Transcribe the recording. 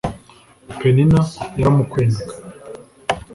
penina yaramukwenaga